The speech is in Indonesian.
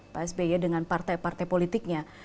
pak sby dengan partai partai politiknya